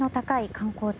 観光地